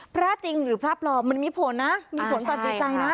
พระจริงหรือพระปลอมมันมีผลนะมีผลต่อจิตใจนะ